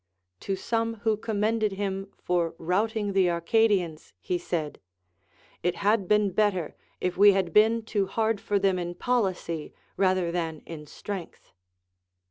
To some who commended him for routing the Arcadians he said, It had been better if we had been too hard for them in policy rather than in strength.